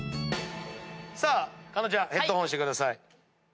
さあ加納ちゃんヘッドホンしてください。